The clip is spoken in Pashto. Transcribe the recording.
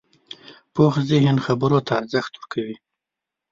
پوخ ذهن خبرو ته ارزښت ورکوي